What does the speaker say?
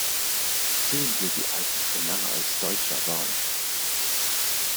Zudem gilt die Eiche schon lange als „deutscher“ Baum.